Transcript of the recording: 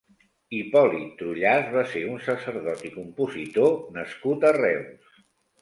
Hipòlit Trullàs va ser un sacerdot i compositor nascut a Reus.